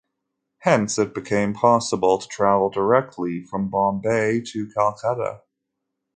Hence it became possible to travel directly from Bombay to Calcutta.